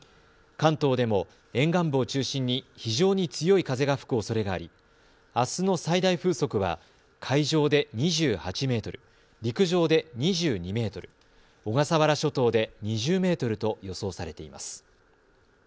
関東でも沿岸部を中心に非常に強い風が吹くおそれがありあすの最大風速は海上で２８メートル、陸上で２２メートル、小笠原諸島で２０メートルと予想されています。